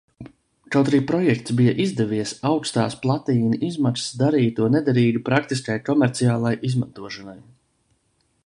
Kaut arī projekts bija izdevies, augstās platīna izmaksas darīja to nederīgu praktiskai komerciālai izmantošanai.